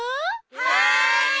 はい！